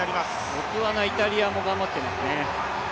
ボツワナ、イタリアも頑張ってますね。